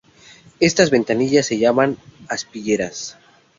Estas ventanillas se llaman aspilleras.